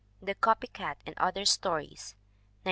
The Copy Cat and Other Stories, 1914.